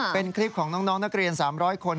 เป็นคลิปของน้องนักเรียน๓๐๐คน